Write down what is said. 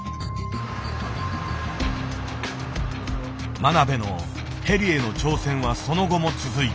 真鍋のヘリへの挑戦はその後も続いた。